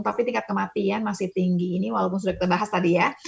tapi tingkat kematian masih tinggi ini walaupun sudah kita bahas tadi ya